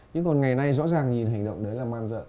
nhưng còn ngày nay rõ ràng nhìn hành động đấy là man dợn